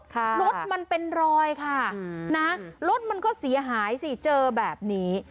รถมันเป็นรอยค่ะนะรถมันก็เสียหายสิเจอแบบนี้